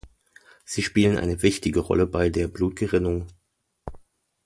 Sie spielen eine wichtige Rolle bei der Blutgerinnung.